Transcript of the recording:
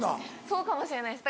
そうかもしれないです。